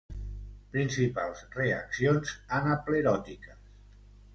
Principals reaccions anapleròtiques.